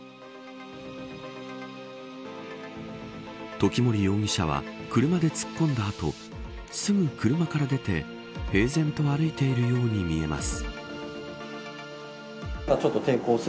時森容疑者は車で突っ込んだ後すぐ車から出て平然と歩いているように見えます。